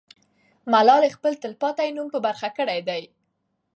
ملالۍ خپل تل پاتې نوم په برخه کړی دی.